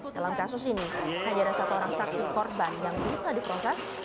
dalam kasus ini hanya ada satu orang saksi korban yang bisa diproses